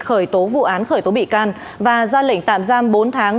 khởi tố vụ án khởi tố bị can và ra lệnh tạm giam bốn tháng